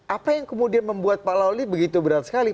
apa yang kemudian membuat pak lawli begitu berat sekali